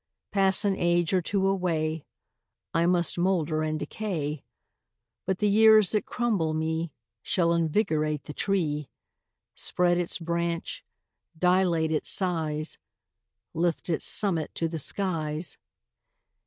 Pass an age or two away, I must moulder and decay, But the years that crumble me Shall invigorate the tree, Spread its branch, dilate its size, Lift its summit to the skies.